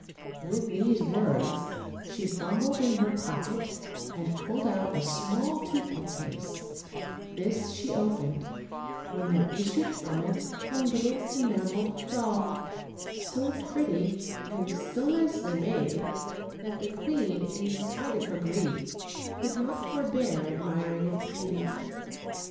With these words she fumbled in her pocket and pulled out a small toothpick case; this she opened, when there issued from it a little enameled doll, so pretty and so nicely made that the queen, in PBINCE ZIBPHIL AND HIS FATHER 286 OLD, OLD FAIRY TALES. spite of her grief, could not forbear admiring its beauty.